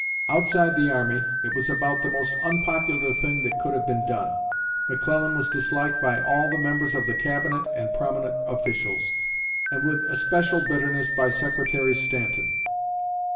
Outside the army, it was about the most unpopular thing that could have been done. McClellan was disliked by all the members of the Cabinet and prominent officials, and with especial bitterness by Secretary Stanton.